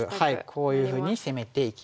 こういうふうに攻めていき。